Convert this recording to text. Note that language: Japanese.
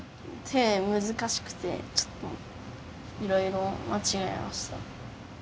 手難しくてちょっといろいろ間違えました。